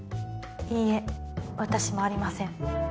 いいえ私もありません